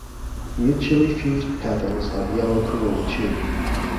Mutually fused petals have yellow corolla tube.